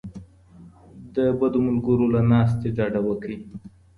د بدو ملګرو له ناستې ډډه وکړئ.